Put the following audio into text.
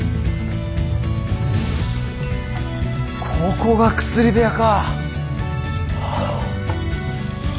ここが薬部屋かぁ。